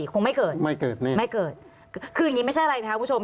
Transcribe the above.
คงไม่เกิดนะครับไม่เกิดคืออย่างนี้ไม่ใช่อะไรครับคุณผู้ชม